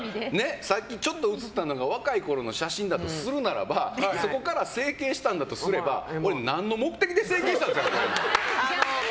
さっきちょっと映ったのが若いころの写真だとするならばそこから整形したんだとすれば俺、何の目的で整形したんですか。